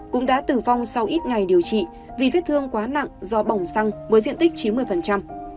cũng đã tử vong sau ít ngày điều trị vì vết thương quá nặng do bỏng xăng với diện tích chín mươi